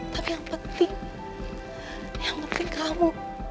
tapi yang penting yang ngerti kamu